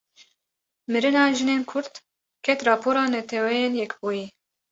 Mirina jinên Kurd, ket rapora Neteweyên Yekbûyî